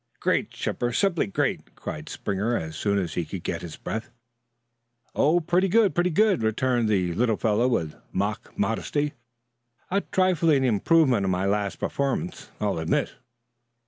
"Great, Chipper simply great!" cried Springer as soon as he could get his breath. "Oh, pretty good, pretty good," returned the little fellow, with mock modesty. "A trifling improvement on my last performance, I'll admit."